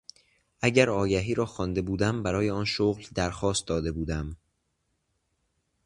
اگر آگهی را خوانده بودم برای آن شغل درخواست داده بودم.